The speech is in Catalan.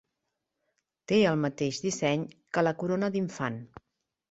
Té el mateix disseny que la corona d'infant.